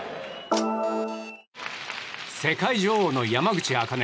世界女王の山口茜。